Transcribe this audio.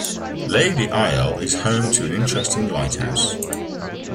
Lady Isle is home to an interesting lighthouse.